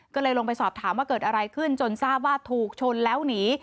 ก็เลยลงไปสอบถามว่าเกิดอะไรขึ้นจนทราบว่าถูกชนแล้วหนี